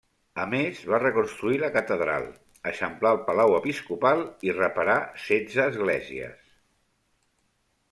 A més, va reconstruir la catedral, eixamplar el palau episcopal i reparar setze esglésies.